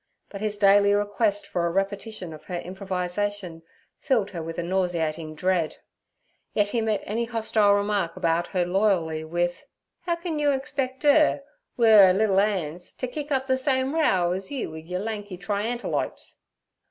But his daily request for a repetition of her improvisation filled her with a nauseating dread. Yet he met any hostile remark about her loyally with 'How can yer expec' 'er, wi' 'er liddle 'an's, t' kick up ther same row ez you wi' your lanky triantelopes?